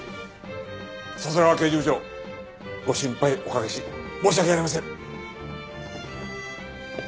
笹川刑事部長ご心配おかけし申し訳ありません。